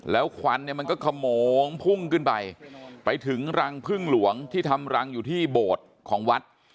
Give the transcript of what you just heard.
แล้วควันเนี่ยมันก็ขโมงพุ่งขึ้นไปไปถึงรังพึ่งหลวงที่ทำรังอยู่ที่โบสถ์ของวัด